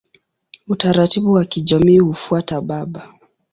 Utaratibu wa kijamii hufuata baba.